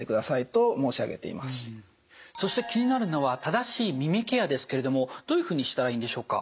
そして気になるのは正しい耳ケアですけれどもどういうふうにしたらいいんでしょうか？